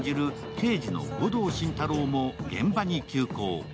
刑事の護道心太朗も現場に急行。